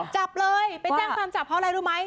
จับเลยไปแจ้งความจับเพราะอะไรรู้ไหม